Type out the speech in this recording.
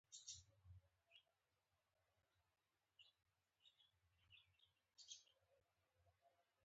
څنګه چې مېرمنې یې ولیدم پر ما یې غېږ را وتاو کړل.